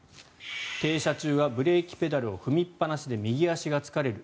停車中はブレーキペダルを踏みっぱなしで右足が疲れる